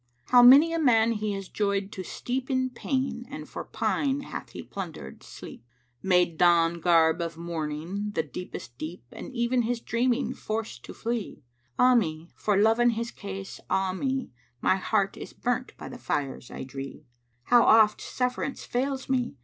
How many a man he has joyed to steep * In pain, and for pine hath he plundered sleep,— Made don garb of mourning the deepest deep * And even his dreaming forced to flee: 'Ah me, for Love and his case, ah me: My heart is burnt by the fires I dree!' How oft sufferance fails me!